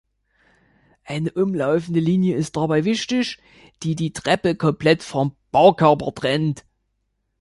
Eine umlaufende Linie ist dabei wichtig, die die Treppe komplett vom Baukörper trennt.